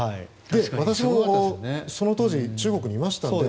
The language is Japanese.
私もその当時、中国にいたので。